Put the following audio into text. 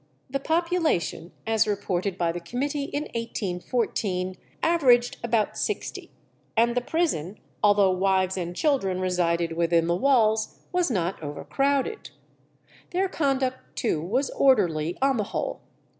The population, as reported by the committee in 1814, averaged about sixty, and the prison, although wives and children resided within the walls, was not overcrowded. Their conduct too was orderly on the whole.